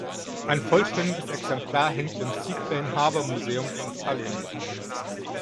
Ein vollständiges Exemplar hängt im Seaplane-Harbour-Museum in Tallinn.